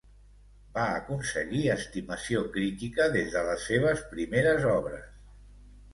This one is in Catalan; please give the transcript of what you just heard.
Va aconseguir estimació crítica des de les seves primeres obres.